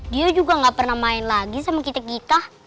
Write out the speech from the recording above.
dia juga gak pernah main lagi sama kita gikah